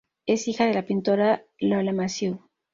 Es hija de la pintora Lola Massieu.